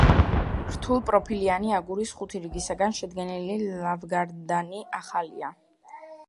რთულპროფილიანი, აგურის ხუთი რიგისაგან შედგენილი ლავგარდანი ახალია.